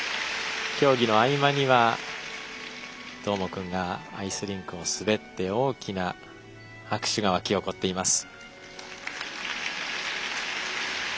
競技の合間にはどーもくんがアイスリンクを滑って、大きな拍手が沸き起こっています。